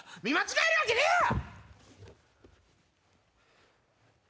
見間違えるわけねえ！